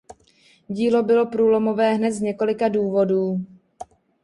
Dílo bylo průlomové hned z několika důvodů.